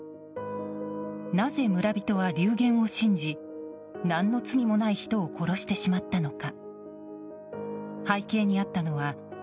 なぜ、村人は流言を信じ何の罪もない人を殺してしまったのか。